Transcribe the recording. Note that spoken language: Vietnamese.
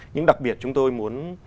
nhưng đặc biệt chúng tôi muốn